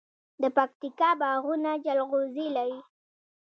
د پکتیکا باغونه جلغوزي لري.